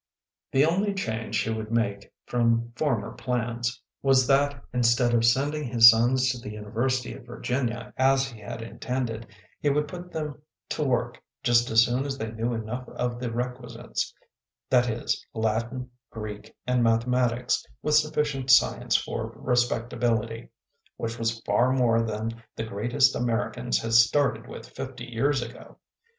The only change he would make from former plans, was that instead of sending his sons to the University of Virginia, as he had intended, he would put them to work just as soon as they knew enough of the requisites that is Latin, Greek, and mathematics, with sufficient science for respectability; which was far more than the greatest Americans had started with fifty years ago.